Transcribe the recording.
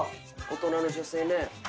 大人の女性ね。